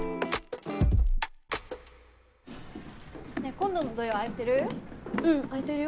今度の土曜空いてる？